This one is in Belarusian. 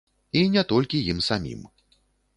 І не толькі ім самім.